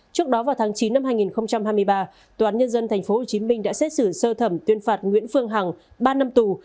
trước đó vào tháng chín năm hai nghìn hai mươi ba tòa án nhân dân tp hcm đã xét xử sơ thẩm tuyên phạt nguyễn phương hằng ba năm tù